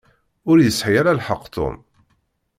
Ur yesɛi ara lḥeqq Tom.